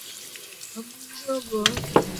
কখনও আমি নিকৃষ্ট, কখনও শূকরশাবক উৎকৃষ্ট।